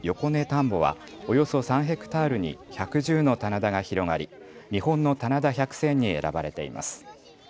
田んぼはおよそ３ヘクタールに１１０の棚田が広がり日本の棚田百選に選ばれています。